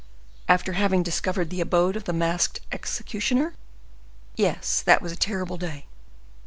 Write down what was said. "After having discovered the abode of the masked executioner? Yes, that was a terrible day!"